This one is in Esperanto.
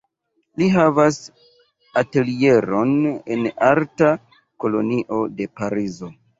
Li havas atelieron en arta kolonio de Parizo.